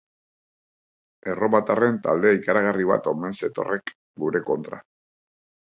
Erromatarren talde ikaragarri bat omen zetorrek gure kontra.